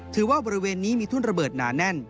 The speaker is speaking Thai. ว่าบริเวณนี้มีทุ่นระเบิดหนาแน่น